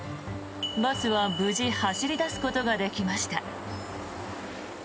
バスは無事走り出すことができました。